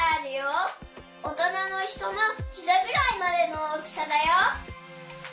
おとなのひとのひざぐらいまでの大きさだよ。